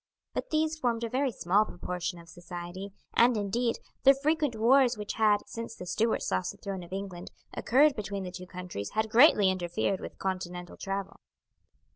But these formed a very small proportion of society, and, indeed, the frequent wars which had, since the Stuarts lost the throne of England, occurred between the two countries had greatly interfered with continental travel.